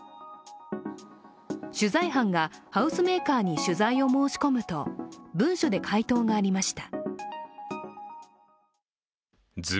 取材班がハウスメーカーに取材を申し込むと、文書で回答がありました。